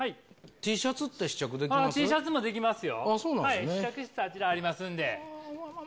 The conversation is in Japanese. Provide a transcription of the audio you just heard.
Ｔシャツもできますよ。